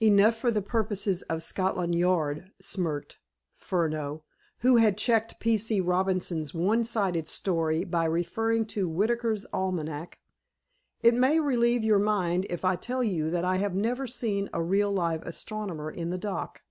"Enough for the purposes of Scotland Yard," smirked Furneaux, who had checked P. C. Robinson's one sided story by referring to Whitaker's Almanack. "It may relieve your mind if I tell you that I have never seen a real live astronomer in the dock.